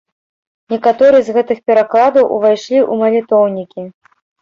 Некаторыя з гэтых перакладаў увайшлі ў малітоўнікі.